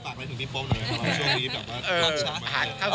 ฝากไว้ถึงพี่โป๊ปหน่อยนะเพราะว่าช่วงนี้แบบว่า